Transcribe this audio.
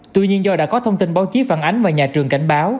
tuy nhiên do đã có thông tin báo chí phản ánh và nhà trường cảnh báo